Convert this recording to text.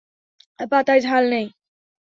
পাতায় ঝাল নেই।